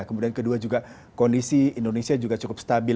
kemudian kedua juga kondisi indonesia juga cukup stabil